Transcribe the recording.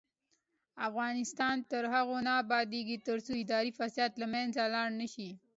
افغانستان تر هغو نه ابادیږي، ترڅو اداري فساد له منځه لاړ نشي.